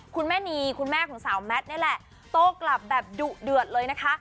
คุณแม่นีคุณแม่ของสาวแมทนี่แหละโต้กลับแบบดุเดือดเลยนะคะ